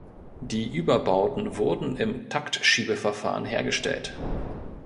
Die Überbauten wurden im Taktschiebeverfahren hergestellt.